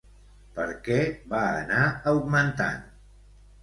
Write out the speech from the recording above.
Per què va anar augmentant?